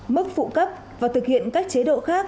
mức phụ cấp và thực hiện các chế độ khác